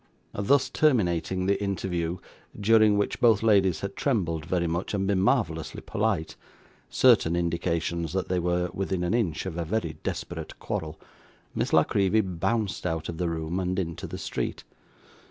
Thus terminating the interview, during which both ladies had trembled very much, and been marvellously polite certain indications that they were within an inch of a very desperate quarrel Miss La Creevy bounced out of the room, and into the street.